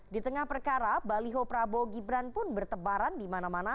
di tengah perkara baliho prabowo gibran pun bertebaran di mana mana